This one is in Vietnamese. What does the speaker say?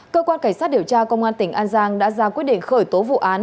cơ quan cảnh sát điều tra công an tỉnh an giang đã ra quyết định khởi tố vụ án